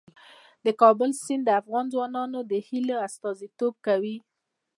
د کابل سیند د افغان ځوانانو د هیلو استازیتوب کوي.